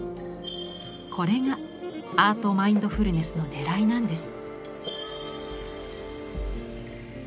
これがアートマインドフルネスのねらいなんです。